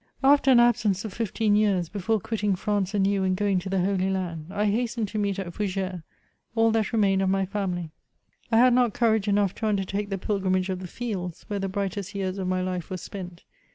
After an absence of fifteen years, before quitting France anew and going to the Holy Land, I hastened to meet, at Foug^res, all that remained of my family. I had not courage enough to undertake the pilgrimage of the fields, where the brightest years of my life were spent.